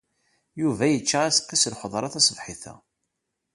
Yuba yečča aseqqi s lxeḍra taṣebḥit-a.